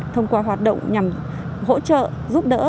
thông qua hoạt động nhằm hỗ trợ giúp đỡ